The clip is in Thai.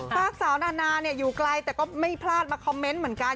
สาวนานาอยู่ไกลแต่ก็ไม่พลาดมาคอมเมนต์เหมือนกัน